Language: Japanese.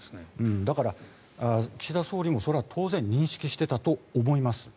だから、岸田総理もそれは当然認識していたと思います。